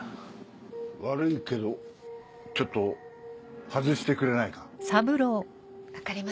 悪いけどちょっと外してくれないか？